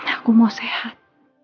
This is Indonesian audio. aku mau sehat